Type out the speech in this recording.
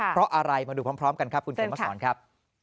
เพราะอะไรมาดูพร้อมกันครับคุณเขมสอนครับ